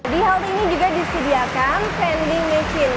di halte ini juga disediakan vending machine